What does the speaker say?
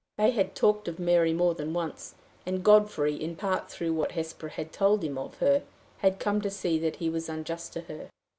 They had talked of Mary more than once, and Godfrey, in part through what Hesper told him of her, had come to see that he was unjust to her.